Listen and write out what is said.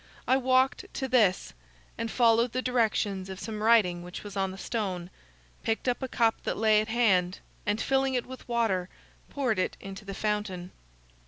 I walked to this, and following the directions of some writing which was on the stone, picked up a cup that lay at hand, and filling it with water, poured it into the fountain.